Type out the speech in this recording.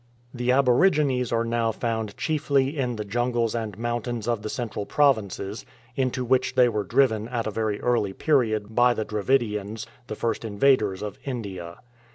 The abo rigines are now found chiefly in the jungles and mountains of the Central Provinces, into which they were driven at a very early period by the Dravidians, the first invaders of India.